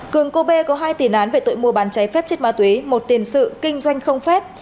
cường cô bê có hai tiền án về tội mua bán cháy phép chất ma túy một tiền sự kinh doanh không phép